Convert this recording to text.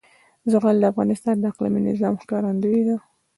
زغال د افغانستان د اقلیمي نظام ښکارندوی ده.